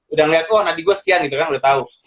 udah ngeliat wah nadi gue sekian gitu kan udah tau